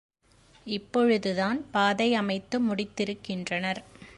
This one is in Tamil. இப்பொழுதுதான் பாதை அமைத்து முடித்திருக்கின்றனர்.